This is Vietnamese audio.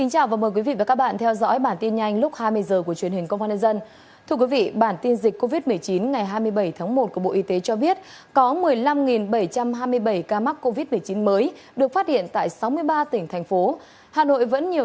hãy đăng ký kênh để ủng hộ kênh của chúng mình nhé